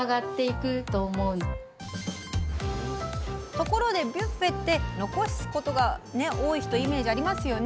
ところでビュッフェって残すことが多い人イメージありますよね？